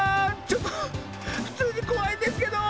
ちょっとふつうにこわいんですけど！